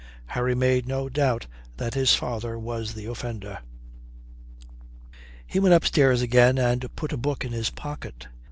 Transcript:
Harry made no doubt that his father was the offender. He went upstairs again and put a book in his pocket.